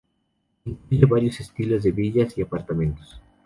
Incluye varios estilos de villas y apartamentos.